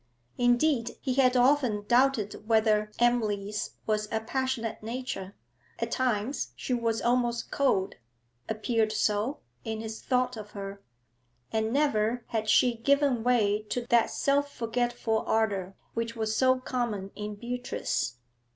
Indeed he had often doubted whether Emily's was a passionate nature; at times she was almost cold appeared so, in his thought of her and never had she given way to that self forgetful ardour which was so common in Beatrice.